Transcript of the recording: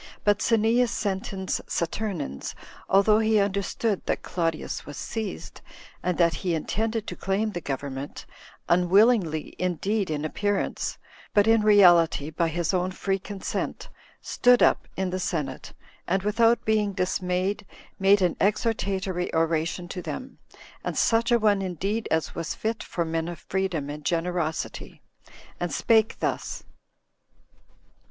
But Cneas Sentins Saturninus, although he understood that Claudius was seized, and that he intended to claim the government, unwillingly indeed in appearance, but in reality by his own free consent, stood up in the senate, and, without being dismayed, made an exhortatory oration to them, and such a one indeed as was fit for men of freedom and generosity, and spake thus: 2.